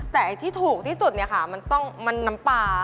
แต่ที่ถูกที่สุดเนี่ยค่ะมันน้ำปลา